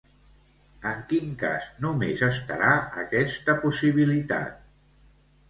En quin cas només estarà aquesta possibilitat?